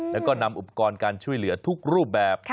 แล้วก็นำอุปกรณ์การช่วยเหลือทุกรูปแบบ